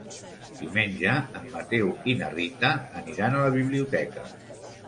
Diumenge en Mateu i na Rita aniran a la biblioteca.